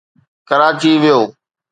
ڪراچي ويو.